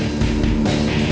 ini tuh apa lho